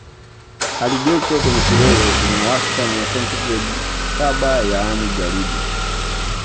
Halijoto kwenye kilele ina wastani ya sentigredi saba yaani jalidi